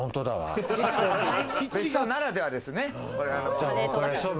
別荘ならではですね。